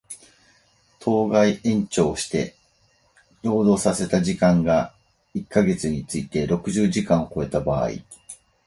当該延長して労働させた時間が一箇月について六十時間を超えた場合